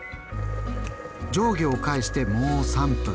上下を返してもう３分。